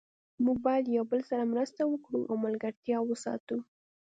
موږ باید یو بل سره مرسته وکړو او ملګرتیا وساتو